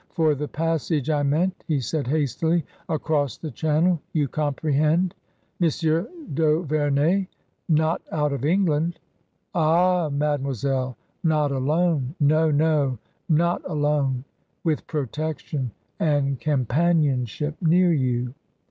" For the passage I meant," he said, hastily ;" across the Channel, you comprehend." " Monsieur d'Auverney ! Not out of England !"" Ah, mademoiselle ! Not alone. No— no — not alone. With protection and companionship near you."